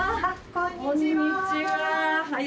こんにちは。